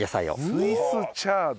スイスチャード。